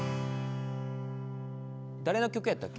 誰の曲やったっけ？